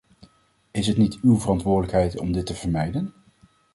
Is het niet uw verantwoordelijkheid om dit te vermijden?